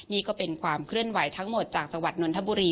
นี่ก็เป็นความเคลื่อนไหวทั้งหมดจากจังหวัดนนทบุรี